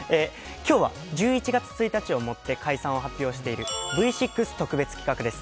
今日は１１月１日をもって解散を発表しているＶ６特別企画です。